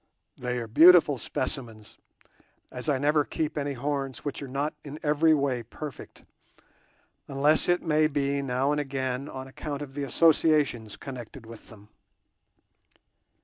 They are beautiful specimens, as I never keep any horns which are not in every way perfect, unless it may be now and again on account of the associations connected with them.